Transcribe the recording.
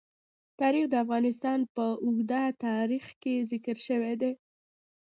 تاریخ د افغانستان په اوږده تاریخ کې ذکر شوی دی.